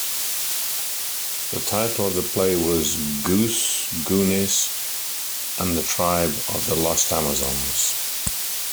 The title of the play was "Gousgounis and the tribe of the lost Amazons".